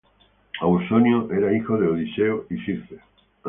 Ausonio era hijo de Odiseo y Circe.